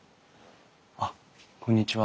あっこんにちは。